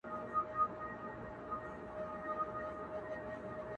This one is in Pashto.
مسافر پر لاري ځکه د ارمان سلګی وهمه!.